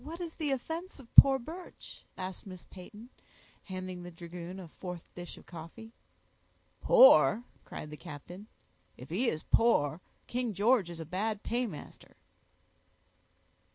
"What is the offense of poor Birch?" asked Miss Peyton, handing the dragoon a fourth dish of coffee. "Poor!" cried the captain. "If he is poor, King George is a bad paymaster."